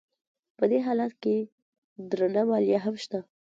په دې حالت کې درنه مالیه هم شته